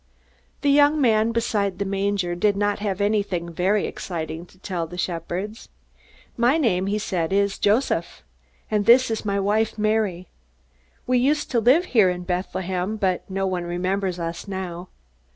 The young man beside the manger did not have anything very exciting to tell the shepherds. "My name," he said, "is Joseph. This is my wife Mary. We used to live here in Bethlehem, but no one remembers us now.